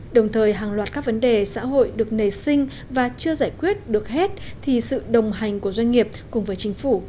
đồng thời hàng loạt các vấn đề xã hội được nề sinh và chưa giải quyết được hết thì sự đồng hành của doanh nghiệp cùng với chính phủ